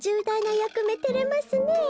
やくめてれますねえ。